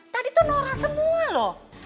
tadi itu nora semua loh